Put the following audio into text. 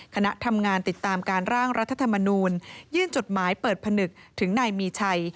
คณะทำงานติดตามการร่างรัฐธรรมนูลยื่นจดหมายเปิดผนึกถึงนายมีชัย